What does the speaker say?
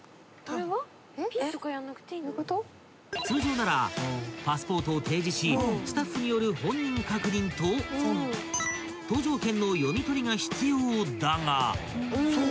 ［通常ならパスポートを提示しスタッフによる本人確認と搭乗券の読み取りが必要だが］